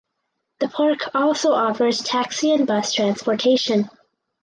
The park also offers taxi and bus transportation.